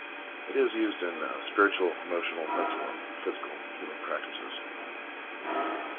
It is used in spiritual, emotional, mental, and physical healing practices.